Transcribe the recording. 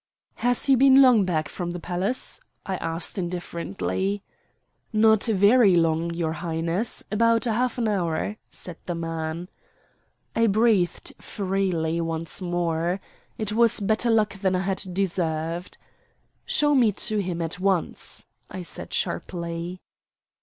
"Has he been long back from the palace?" I asked indifferently. "Not very long, your Highness; about half an hour," said the man. I breathed freely once more. It was better luck than I had deserved. "Show me to him at once," I said sharply.